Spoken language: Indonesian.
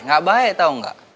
gak baik tau gak